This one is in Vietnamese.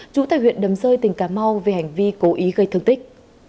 chủ tài huyện đầm rơi tỉnh cà mau về hành vi cố ý gây thương tích